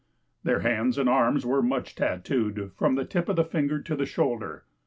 Their hands and arms were much tatooed from the tip of the finger to the shoulder.